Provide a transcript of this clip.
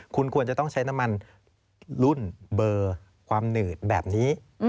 คุณควรจะต้องใช้น้ำมันรุ่นเบอร์ความหนืดแบบนี้